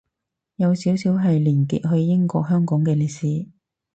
有少少係連結去英國香港嘅歷史